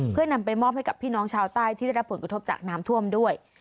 เพื่อนำไปมอบให้กับพี่น้องชาวใต้ที่ได้รับผลกระทบจากน้ำท่วมด้วย